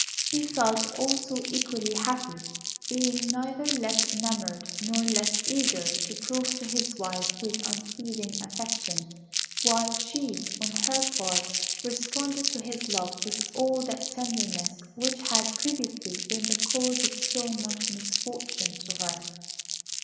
He felt also equally happy, being neither less enamoured nor less eager to prove to his wife his unceasing affection, while she, on her part, responded to his love with all that tenderness which had previously been the cause of so much misfortune to her.